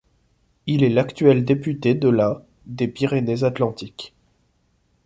Il est l'actuel député de la des Pyrénées-Atlantiques.